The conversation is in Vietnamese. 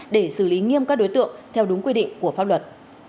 để xử lý nghiêm các đối tượng theo đúng quy định của pháp luật